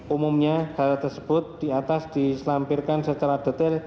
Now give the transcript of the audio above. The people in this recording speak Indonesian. umumnya hal tersebut di atas diselampirkan secara detail